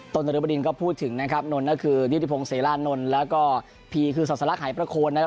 ต้นตรีประดิ่นก็พูดถึงนะครับน้นก็คือนิทธิพงศ์เสราะน้นแล้วก็พีคือสัตว์สลักหายประโคนนะครับ